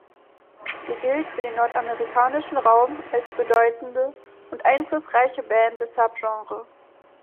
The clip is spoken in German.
Sie gilt für den nordamerikanischen Raum als bedeutende und einflussreiche Band des Subgenres.